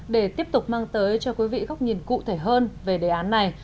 để tiếp tục mang tới cho quý vị góc nhìn cụ thể hơn về đề án này